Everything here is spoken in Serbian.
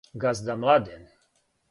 Газда Младен